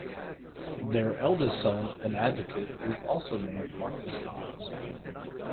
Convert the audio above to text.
Their eldest son, an advocate, was also named Marcus Dods.